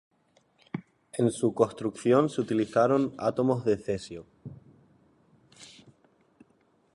En su construcción se utilizaron átomos de cesio.